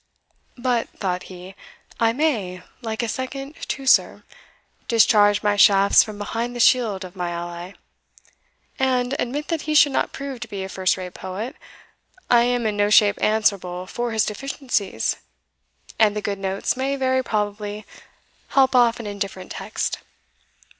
"But," thought he, "I may, like a second Teucer, discharge my shafts from behind the shield of my ally; and, admit that he should not prove to be a first rate poet, I am in no shape answerable for his deficiencies, and the good notes may very probably help off an indifferent text.